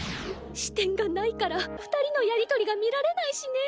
視点がないから二人のやり取りが見られないしね。